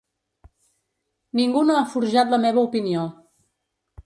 Ningú no ha forjat la meva opinió.